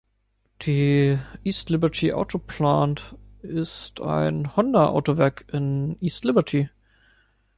Die "East Liberty Auto Plant" ist ein Honda-Autowerk in East Liberty.